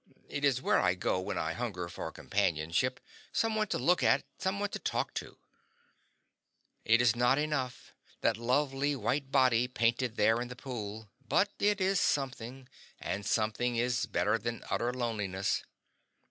It is where I go when I hunger for companionship, some one to look at, some one to talk to. It is not enough that lovely white body painted there in the pool but it is something, and something is better than utter loneliness.